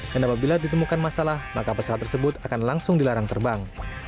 dan apabila ditemukan masalah maka pesawat tersebut akan langsung dilarang terbang